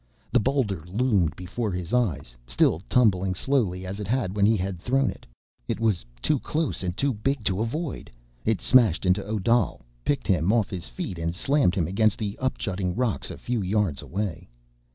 The boulder loomed before his eyes, still tumbling slowly, as it had when he had thrown it. It was too close and too big to avoid. It smashed into Odal, picked him off his feet and slammed against the upjutting rocks a few yards away.